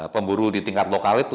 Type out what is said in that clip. pemburu di tingkat lokal itu